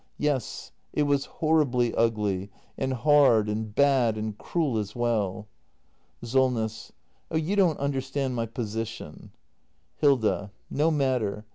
Yes, it was horribly ugly — and hard and bad and cruel as well. SOLNESS. Oh, you don't understand my position. Hilda. No matter